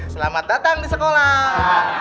selamat datang di sekolah